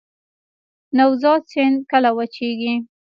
نوزاد سیند کله وچیږي؟